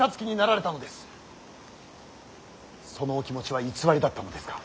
そのお気持ちは偽りだったのですか。